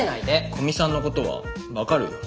古見さんのことは分かるよ。